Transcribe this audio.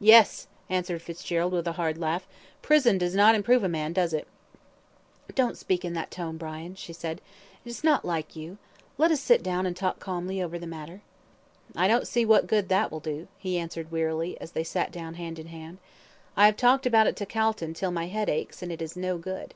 "Yes!" answered Fitzgerald, with a hard laugh. "Prison does not improve a man does it?" "Don't speak in that tone, Brian," she said; "it is not like you let us sit down and talk calmly over the matter." "I don't see what good that will do," he answered, wearily, as they sat down hand in hand. "I have talked about it to Calton till my head aches, and it is no good."